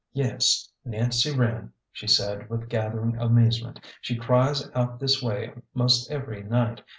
"Yes; Nancy Wren," she said, with gathering amaze ment. " She cries out this way 'most every night.